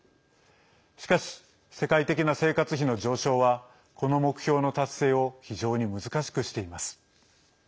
しかし、世界的な生活費の上昇はこの目標の達成を非常に難しくしています。